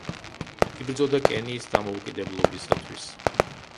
იბრძოდა კენიის დამოუკიდებლობისათვის.